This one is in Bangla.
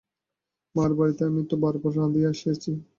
মামার বাড়িতে আমি তো বরাবর রাঁধিয়া আসিয়াছি।